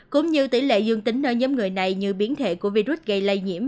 cũng như tỷ lệ dương tính ở nhóm người này như biến thể của virus gây lây nhiễm